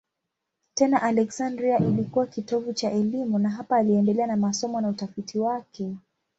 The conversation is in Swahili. Tena Aleksandria ilikuwa kitovu cha elimu na hapa aliendelea na masomo na utafiti wake.